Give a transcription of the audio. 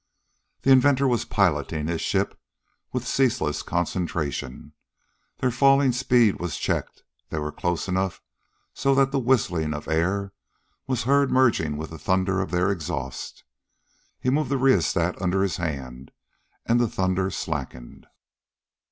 The inventor was piloting his ship with ceaseless concentration. Their falling speed was checked; they were close enough so that the whistling of air was heard merging with the thunder of their exhaust. He moved the rheostat under his hand, and the thunder slackened.